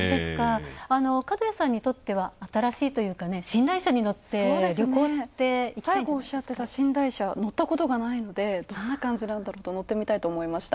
角谷さんにとっては、新しいというか、寝台車に乗って、旅行って最後おっしゃってた寝台車、乗ったことがないので、乗ってみたいって思いました。